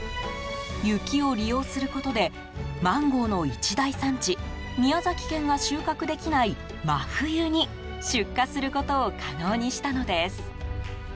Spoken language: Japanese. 雪を利用することでマンゴーの一大産地宮崎県が収穫できない真冬に出荷することを可能にしたのです。